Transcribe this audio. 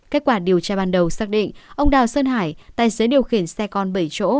kết quả điều tra ban đầu xác định ông đào sơn hải tài xế điều khiển xe con bảy chỗ